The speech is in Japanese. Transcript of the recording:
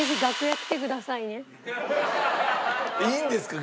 いいんですか？